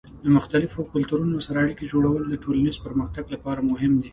د مختلفو کلتورونو سره اړیکې جوړول د ټولنیز پرمختګ لپاره مهم دي.